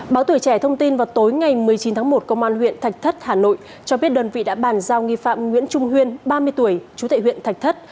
báo tuổi trẻ thông tin vào tối ngày một mươi chín tháng một công an huyện thạch thất hà nội cho biết đơn vị đã bàn giao nghi phạm nguyễn trung huyên ba mươi tuổi chú tệ huyện thạch thất